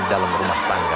dalam rumah bangga